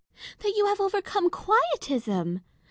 That you have overcome quietism.